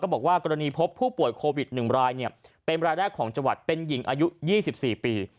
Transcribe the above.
บอกว่ากรณีพบผู้ป่วยโควิด๑รายเป็นรายแรกของจังหวัดเป็นหญิงอายุ๒๔ปี